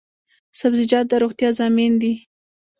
سبزیجات د روغتیا ضامن دي